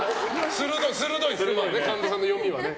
鋭い、神田さんの読みはね。